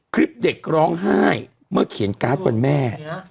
คลิปเด็กร้องไห้เมื่อเขียนการ์ดวันแม่